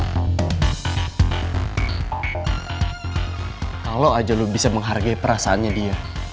kalau aja lu bisa menghargai perasaannya dia